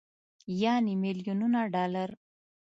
يعنې ميليونونه ډالر.